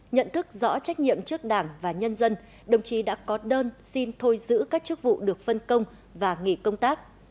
nhận thức rõ trách nhiệm trước đảng và nhân dân đồng chí đã có đơn xin thôi giữ các chức vụ được phân công và nghỉ công tác